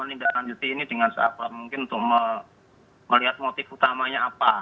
ini dengan seapapun mungkin untuk melihat motif utamanya apa